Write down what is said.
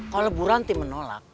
kalau bu ranti menolak